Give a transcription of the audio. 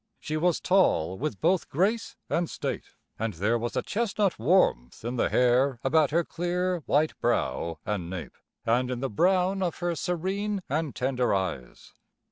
She was tall, with both grace and state, and there was a chestnut warmth in the hair about her clear, white brow and nape, and in the brown of her serene and tender eyes.